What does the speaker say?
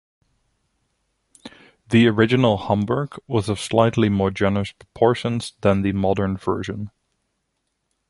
The original homburg was of slightly more generous proportions than the modern version.